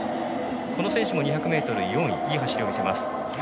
この選手も２００ｍ、４位いい走りを見せます。